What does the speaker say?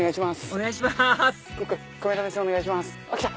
お願いします来た！